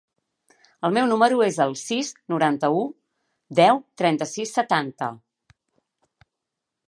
El meu número es el sis, noranta-u, deu, trenta-sis, setanta.